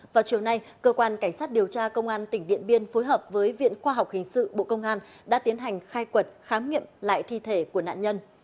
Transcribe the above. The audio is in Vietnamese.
vào chiều nay cơ quan cảnh sát điều tra công an tỉnh điện biên phối hợp với viện khoa học hình sự bộ công an đã tiến hành khai quật khám nghiệm lại thi thể của nạn nhân